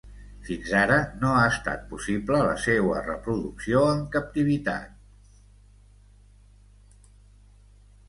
Fins ara no ha estat possible la seua reproducció en captivitat.